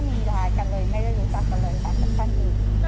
เสียใจเสียคนรู้สึกแล้วแบบรับไม่ได้